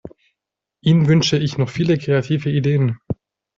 Ihnen wünsche ich noch viele kreative Ideen!